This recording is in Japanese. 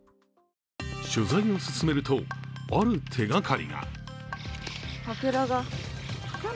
取材を進めると、ある手がかりが。